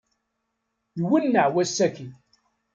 Iwenneɛ wass-aki.